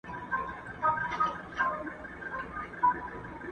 یوه سترګه مو روغه بله سترګه مو ړنده وي.